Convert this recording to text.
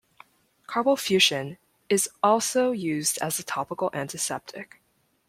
Carbol-fuchsin is also used as a topical antiseptic.